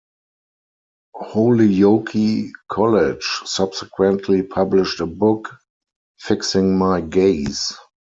Holyoke College, subsequently published a book, Fixing My Gaze.